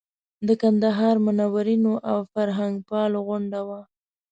د کندهار منورینو او فرهنګپالو غونډه وه.